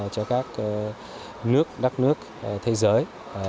cho các nước đất nước thế giới